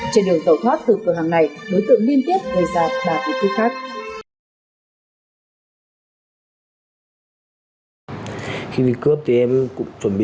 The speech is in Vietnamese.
trên đường tẩu thoát từ cửa hàng này đối tượng liên tiếp gây ra ba vụ cướp khác